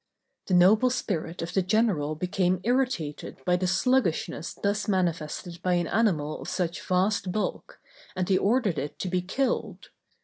The noble spirit of the general became irritated by the sluggishness thus manifested by an animal of such vast bulk, and he ordered it to be killed.